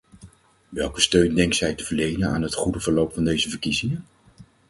Welke steun denkt zij te verlenen aan het goede verloop van deze verkiezingen?